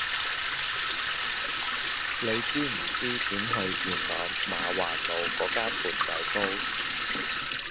你知唔知點去元朗媽橫路嗰間缽仔糕